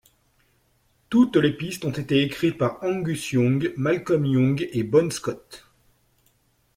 Toutes les pistes ont été écrites par Angus Young, Malcolm Young et Bon Scott.